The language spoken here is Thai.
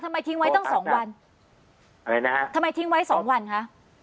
ทิ้งไว้ตั้งสองวันอะไรนะฮะทำไมทิ้งไว้สองวันคะ